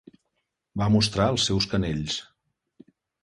Va mostrar els seus canells.